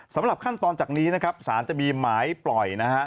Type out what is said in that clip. สำหรับขั้นตอนจากนี้นะครับสารจะมีหมายปล่อยนะฮะ